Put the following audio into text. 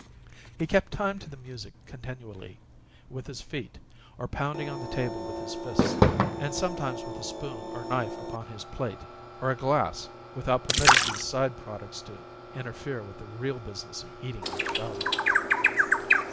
He kept time to the music continually with his feet, or pounding on the table with his fist, and sometimes with spoon or knife upon his plate or a glass, without permitting these side products to interfere with the real business of eating and shouting.